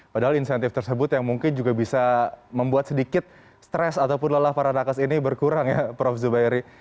padahal insentif tersebut yang mungkin juga bisa membuat sedikit stres ataupun lelah para nakas ini berkurang ya prof zubairi